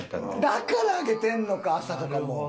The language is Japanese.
だから上げてんのか朝からもう。